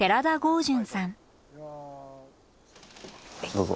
どうぞ。